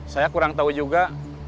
saya kurang tau juga